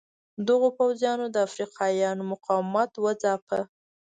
دغو پوځیانو د افریقایانو مقاومت وځاپه.